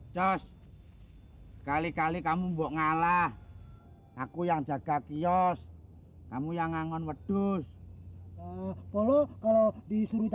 jos kali kali kamu mbok ngalah aku yang jaga kios kamu yang ngangon wedus polo kalau disuruh